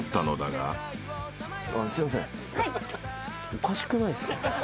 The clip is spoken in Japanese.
おかしくないですか？